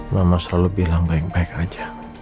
mama selalu bilang baik baik aja